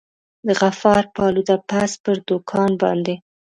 د غفار پالوده پز پر دوکان باندي.